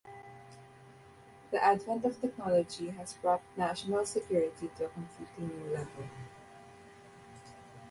The advent of technology has brought national security to a completely new level.